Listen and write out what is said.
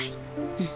うん。